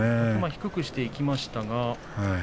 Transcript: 低くしていきましたが。